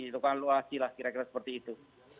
itu kan luasi lah kira kira seperti itu